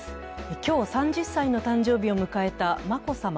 今日３０歳の誕生日を迎えた眞子さま。